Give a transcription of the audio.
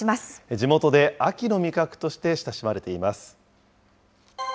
地元で秋の味覚として親しまれています。